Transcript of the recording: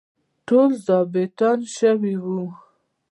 ټول ظابیطان شوي وو.